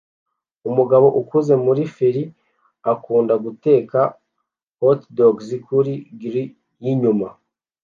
Umugabo ukuze muri feri akunda guteka hotdogs kuri grill yinyuma